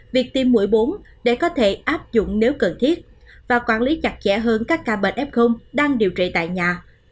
việc tiêm mũi bốn để có thể áp dụng nếu cần thiết và quản lý chặt chẽ hơn các ca bệnh f đang điều trị tại nhà